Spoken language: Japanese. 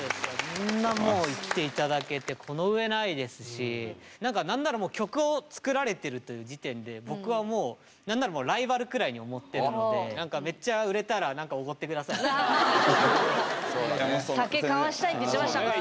こんなもう生きて頂けてこのうえないですし何ならもう曲を作られてるという時点で僕はもう何ならもうライバルくらいに思ってるんで「酒交わしたい」って言ってましたからね。